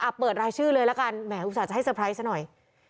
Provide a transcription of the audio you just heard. เปิดรายชื่อเลยละกันแหมอุตส่าห์ให้เตอร์ไพรส์ซะหน่อย